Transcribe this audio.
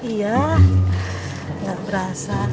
iya nggak berasa